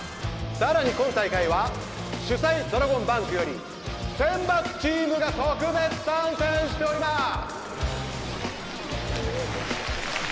さらに今大会は主催ドラゴンバンクより選抜チームが特別参戦しております